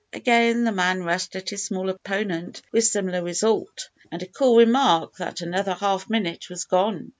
Again the man rushed at his small opponent with similar result, and a cool remark, that another half minute was gone.